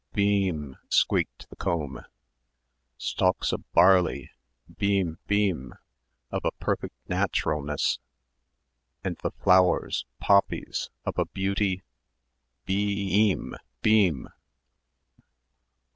... "Beem!" squeaked the comb ... "stalks of barley" ... "beem beem" ... "of a perfect naturalness" ... "and the flowers, poppies, of a beauty" "bee eeem beeem"